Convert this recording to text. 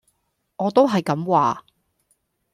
我都係咁話